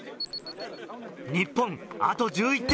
日本あと１１点。